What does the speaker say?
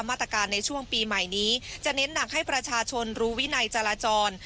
มาตรการในช่วงปีใหม่นี้จะเน้นหนักให้ประชาชนรู้วินัยจราจร